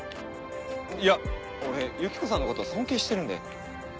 いや俺ユキコさんのこと尊敬してるんで。